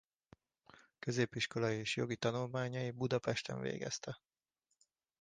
Középiskolai és jogi tanulmányai Budapesten végezte.